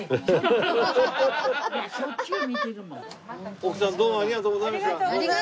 奥さんどうもありがとうございました。